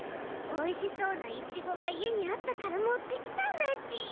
おいしそうなイチゴがいえにあったからもってきたんだち！